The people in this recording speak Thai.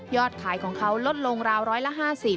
ขายของเขาลดลงราวร้อยละ๕๐